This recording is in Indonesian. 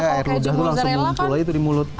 air hujan tuh langsung mumpul itu di mulut